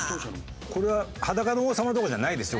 これは裸の王様とかじゃないですよ